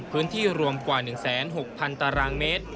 พื้นที่รวมกว่า๑๐๖๐๐๐ตารางเมตร